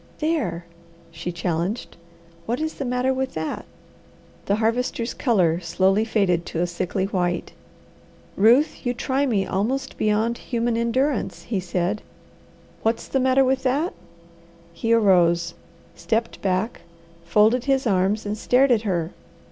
"There!" she challenged. "What is the matter with that?" The Harvester's colour slowly faded to a sickly white. "Ruth, you try me almost beyond human endurance," he said. "'What's the matter with that?'" He arose, stepped back, folded his arms, and stared at her.